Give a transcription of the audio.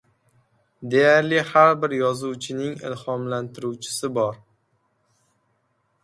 Deyarli har bir yozuvchining ilhomlantiruvchisi bor.